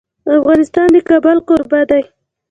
افغانستان د کابل کوربه دی.